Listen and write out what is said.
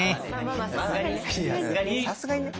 まださすがにね。